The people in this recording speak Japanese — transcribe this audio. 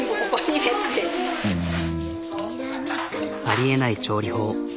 ありえない調理法。